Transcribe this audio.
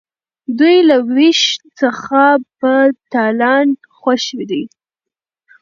دوی له ویش څخه په تالان خوښ دي.